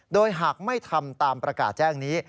โดยหากไม่ทำตามประกาศแจ้งนี้